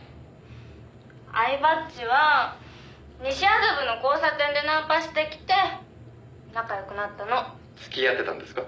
「饗庭っちは西麻布の交差点でナンパしてきて仲良くなったの」「付き合ってたんですか？」